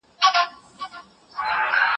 زه مخکي سپينکۍ مينځلي وو.